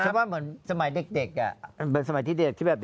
ว่าเหมือนสมัยเด็กมันเหมือนสมัยที่เด็กที่แบบ